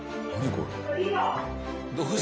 これ。